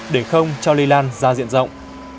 để không cho lây lan ra diện rộng